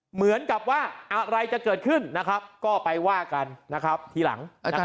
เหมือนกับว่าอะไรจะเกิดขึ้นก็ไปว่ากันทีหลัง